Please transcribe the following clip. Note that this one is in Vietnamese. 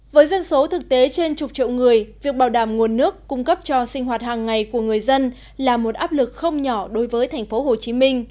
với dân số thực tế trên chục triệu người việc bảo đảm nguồn nước cung cấp cho sinh hoạt hàng ngày của người dân là một áp lực không nhỏ đối với tp hcm